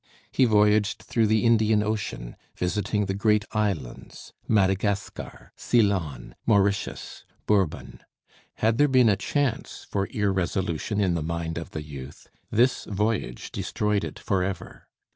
He voyaged through the Indian Ocean, visiting the great islands: Madagascar, Ceylon, Mauritius, Bourbon. Had there been a chance for irresolution in the mind of the youth, this voyage destroyed it forever.